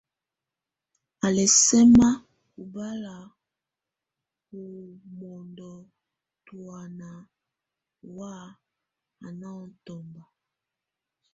Ɔ́ lɛ̀ sɛma ɔbala wɔ̀ mɔndɔ tɔ̀ána ɔwa á nà ɔŋ tɔ̀mba.